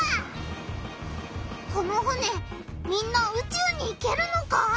この船みんなうちゅうに行けるのか？